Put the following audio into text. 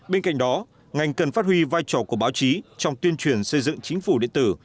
bên cạnh đó ngành cần phát huy vai trò của báo chí trong tuyên truyền xây dựng chính phủ điện tử